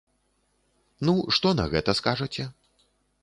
Ну, што на гэта скажаце?